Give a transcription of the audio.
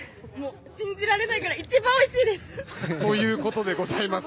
信じられないくらい一番おいしいです！ということでございます。